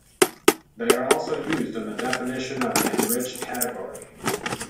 They are also used in the definition of an enriched category.